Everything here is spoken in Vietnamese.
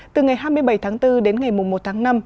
từ ngày hai mươi bảy tháng bốn đến ngày một tháng năm